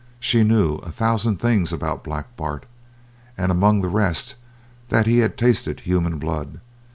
She knew a thousand things about Black Bart, and among the rest that he had tasted human blood.